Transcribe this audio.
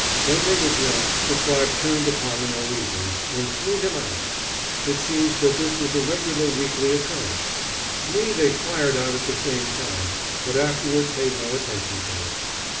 When they were drunk, the tribe turned upon the Norwegian, and threw him out. It seems that this was a regular weekly occurrence. Me they fired out at the same time, but afterward paid no attention to me.